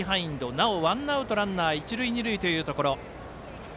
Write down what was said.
なおワンアウトランナー、一塁二塁というところ。